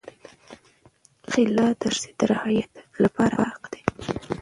خلع د ښځې د راحت لپاره حق دی.